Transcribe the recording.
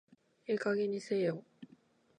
ええ加減にせえよ